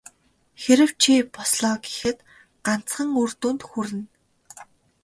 Хэрэв чи бослоо гэхэд ганцхан үр дүнд хүрнэ.